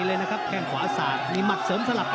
เลยนะครับแข้งขวาสาดมีหมัดเสริมสลับ